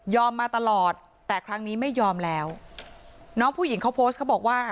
มาตลอดแต่ครั้งนี้ไม่ยอมแล้วน้องผู้หญิงเขาโพสต์เขาบอกว่า